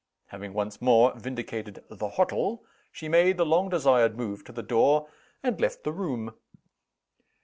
Having once more vindicated "the hottle," she made the long desired move to the door, and left the room.